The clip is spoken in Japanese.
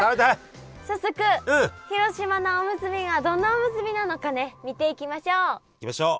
早速広島菜おむすびがどんなおむすびなのかね見ていきましょう。いきましょう。